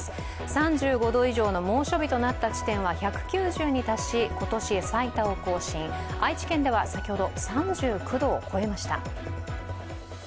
３５度以上の猛暑日となった地点は１９０に達し、今年最多を更新、愛知県では先ほど３９度を超えました。